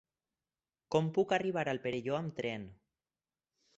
Com puc arribar al Perelló amb tren?